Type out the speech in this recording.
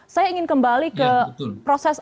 saya ingin kembali ke proses